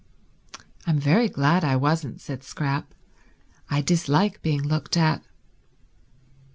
"I'm very glad I wasn't," said Scrap. "I dislike being looked at."